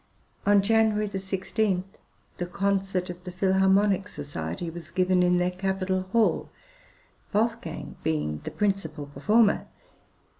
On January 16, the concert of the Philharmonic Society was given in their capital hall, Wolfgang being the principal performer.